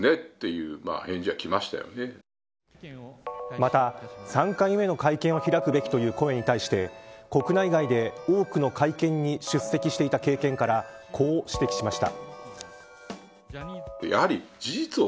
また、３回目の会見を開くべきという声に対して国内外で多くの会見に出席していた経験からこう指摘しました。